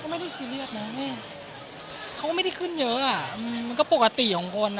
ไม่ได้ซีเรียสนะเขาก็ไม่ได้ขึ้นเยอะอ่ะมันก็ปกติของคนอ่ะ